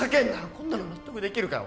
こんなの納得できるかよ